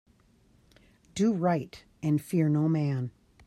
Do right and fear no man.